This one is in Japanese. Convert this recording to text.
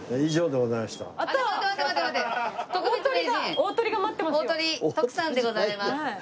大トリ徳さんでございます。